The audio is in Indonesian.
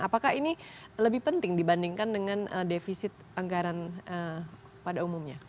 apakah ini lebih penting dibandingkan dengan defisit anggaran pada umumnya